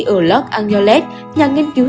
ở los angeles nhà nghiên cứu